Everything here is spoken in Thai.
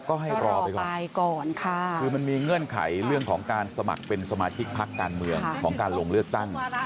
คือมันมีเงื่อนไขเรื่องของการสมัครเป็นสมาธิกภักด์การเมืองของการลงเลือกตั้ง